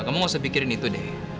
kamu gak usah pikirin itu deh